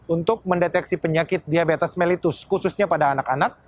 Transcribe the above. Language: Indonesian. untuk mendeteksi penyakit diabetes mellitus khususnya pada anak anak